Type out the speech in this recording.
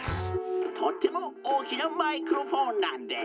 「とってもおおきなマイクロフォンなんです」。